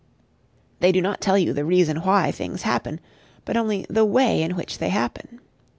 They do not tell you the "Reason Why" things happen, but only "The Way in which they happen."